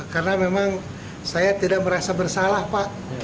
karena memang saya tidak merasa bersalah pak